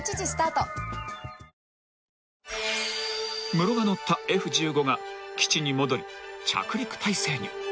［ムロが乗ったＦ−１５が基地に戻り着陸態勢に］